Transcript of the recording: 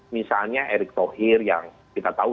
misalnya erick thohir yang kita tahu